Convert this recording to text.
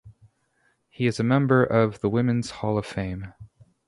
She is a member of the Women's Hall of Fame.